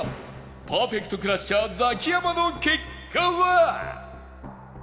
パーフェクトクラッシャーザキヤマの結果は？